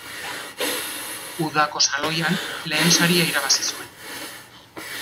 Udako Saloian lehen saria irabazi zuen.